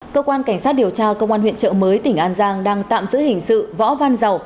cơ quan cảnh sát điều tra công an huyện trợ mới tỉnh an giang đang tạm giữ hình sự võ văn dầu